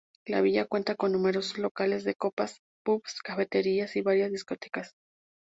La villa cuenta con numerosos locales de copas, pubs, cafeterías y varias discotecas.